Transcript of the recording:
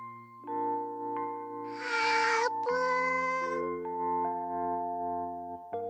あーぷん。